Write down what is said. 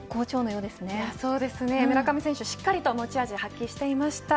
そうですね、村上選手しっかりと持ち味を発揮していました。